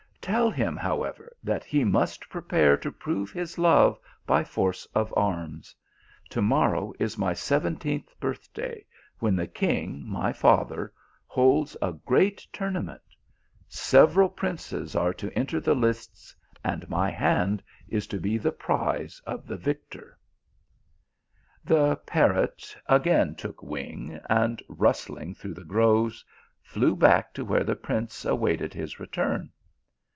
Tell him, however, that he must prepare to prove his love by force of arms ; to morrow is my seventeenth birth day, when the king, my father, holds a great tournament ; several princes are to enter the lists, and my hand is to be the prize of the victor." The parrot again took wing, and, rustling through the groves, flew back to where the prince awaited his return.